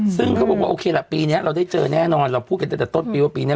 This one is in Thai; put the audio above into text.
ซึ่งเขาบอกว่าโอเคละปีนี้เราได้เจอแน่นอนเราพูดกันตั้งแต่ต้นปีว่าปีนี้